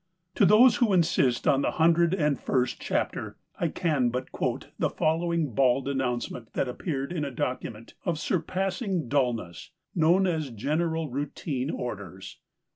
To those who insist on the hundred and first chapter I can but quote the following bald announcement that appeared in a docu ment of surpassing dullness known as General Routine Orders.